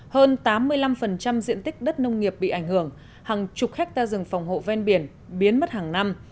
hơn tám mươi năm diện tích đất nông nghiệp bị ảnh hưởng hàng chục hectare rừng phòng hộ ven biển biến mất hàng năm